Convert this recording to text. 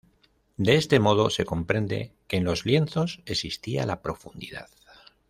De este modo se comprende que en los lienzos existía la profundidad.